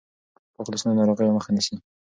پاک لاسونه د ناروغیو مخه نیسي.